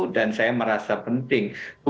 dan saya merasa penting